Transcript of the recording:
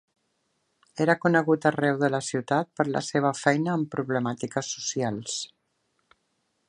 Era conegut arreu de la ciutat per la seva feina amb problemàtiques socials.